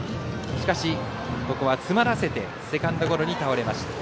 しかし、ここは詰まらせてセカンドゴロに倒れました。